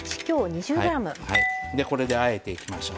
これであえていきましょう。